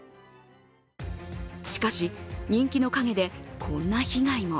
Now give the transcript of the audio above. しかし、人気の陰でこんな被害も。